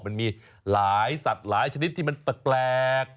มันมีหลายสัตว์หลายชนิดที่มันแปลก